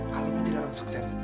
kalau lo tidak akan sukses